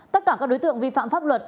tất cả các đối tượng vi phạm pháp luật